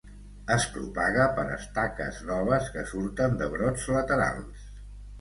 Es propaga per estaques noves que surten de brots laterals.